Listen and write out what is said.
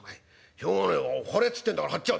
しょうがねえ張れっつってんだから張っちゃう」。